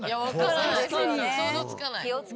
想像つかない。